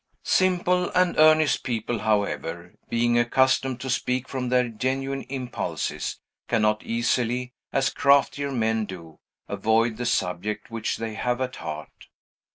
Simple and earnest people, however, being accustomed to speak from their genuine impulses, cannot easily, as craftier men do, avoid the subject which they have at heart.